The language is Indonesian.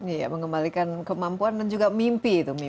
iya mengembalikan kemampuan dan juga mimpi itu